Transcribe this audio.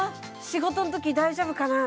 仕事のとき大丈夫かな？